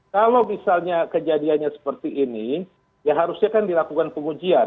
kalau misalnya kejadiannya seperti ini ya harusnya kan dilakukan pengujian